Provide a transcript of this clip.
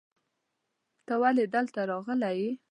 ته ولې دلته راغلی یې؟